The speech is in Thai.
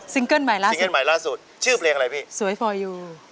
ซิงเกิลใหม่ล่าสุดชื่อเพลงอะไรพี่สวยฟอร์ยู